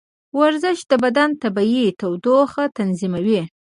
ورزش د بدن طبیعي تودوخه تنظیموي.